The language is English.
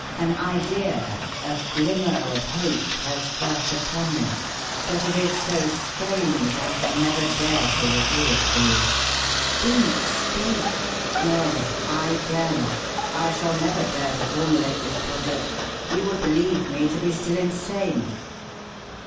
An idea, a glimmer of hope has flashed upon me, but it is so strange, I shall never dare to reveal it to you. (Speak! speak!) No, I dare not, I shall never dare to formulate this project. You would believe me to be still insane.